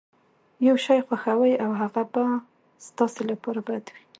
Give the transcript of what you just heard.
يو شی خوښوئ او هغه به ستاسې لپاره بد وي.